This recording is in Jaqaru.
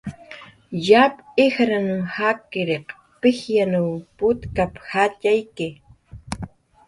"Yap ijran jakkiriq pijyanw putkap"" jatxayki"